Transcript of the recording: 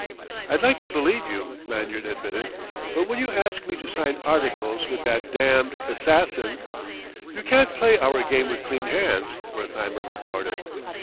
"I'd like to believe you," Lanyard admitted. "But when you ask me to sign articles with that damned assassin !" "You can't play our game with clean hands," Wertheimer retorted.